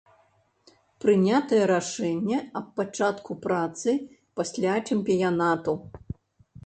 Прынятае рашэнне аб пачатку працы пасля чэмпіянату.